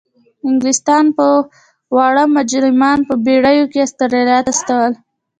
انګلستان به واړه مجرمان په بیړیو کې استرالیا ته استول.